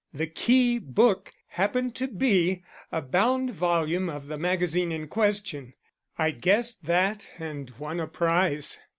The key book happened to be a bound volume of the magazine in question: I guessed that, and won a prize.